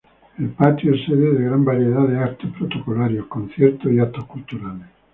El patio es sede de gran variedad de actos protocolarios, conciertos y actos culturales.